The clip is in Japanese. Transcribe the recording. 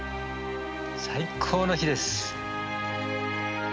最高の日です！